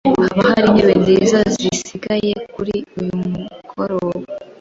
Hoba hari intebe nziza zisigaye kuri uyu mugoroba?